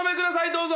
どうぞ。